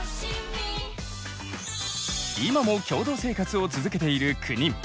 今も共同生活を続けている９人。